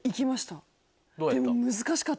でも。